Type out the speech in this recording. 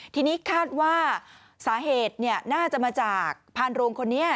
ทีนี้คาดว่าสาเหตุน่าจะมาจากพานโรงคนนี้